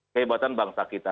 kehebatan bangsa kita